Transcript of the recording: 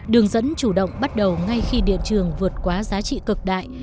đường dẫn chủ động bắt đầu ngay khi điện trường vượt quá giá trị cực đại